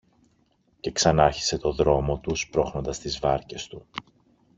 Και ξανάρχισε το δρόμο του, σπρώχνοντας τις βάρκες του